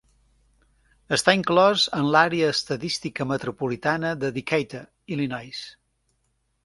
Està inclòs en l'àrea estadística metropolitana de Decatur, Illinois.